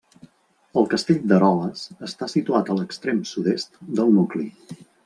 El castell d'Eroles està situat a l'extrem sud-est del nucli.